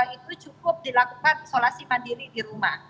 itu cukup dilakukan isolasi mandiri di rumah